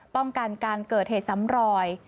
ป้องกันการเกิดเหตุซ้ำรอย